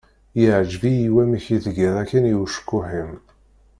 Iεǧeb-iyi wamek i tgiḍ akken i ucekkuḥ-ik.